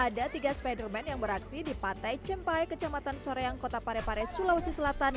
ada tiga spiderman yang beraksi di pantai cempai kecamatan soreang kota parepare sulawesi selatan